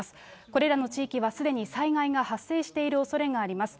これらの地域はすでに災害が発生しているおそれがあります。